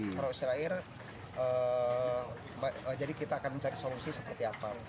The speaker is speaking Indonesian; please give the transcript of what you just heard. terisolir jadi kita akan mencari solusi seperti apa